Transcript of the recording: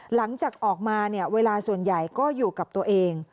หลังจากออกมาเนี่ยเวลาส่วนใหญ่ก็อยู่กับตัวเอง